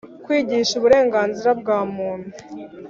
Kwigisha uburenganzira bwa Muntu